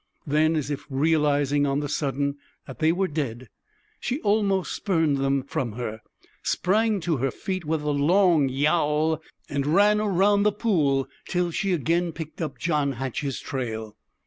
Then, as if realizing on the sudden that they were dead, she almost spurned them from her, sprang to her feet with a long yowl, and ran around the pool till she again picked up John Hatch's trail.